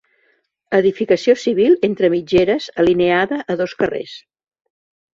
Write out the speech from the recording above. Edificació civil entre mitgeres, alineada a dos carrers.